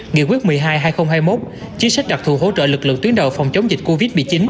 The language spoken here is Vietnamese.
nghị quyết một mươi hai hai nghìn hai mươi một chính sách đặc thù hỗ trợ lực lượng tuyến đầu phòng chống dịch covid một mươi chín